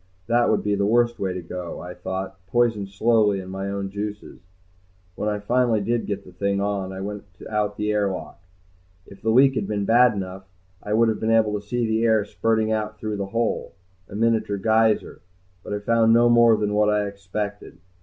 That would be the worst way to go, I thought, poisoned slowly in my own juices. When I finally did get the thing on, I went out the air lock. If the leak had been bad enough, I would have been able to see the air spurting out through the hole, a miniature geyser. But I found no more than what I expected.